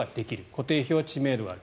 固定票や知名度がある。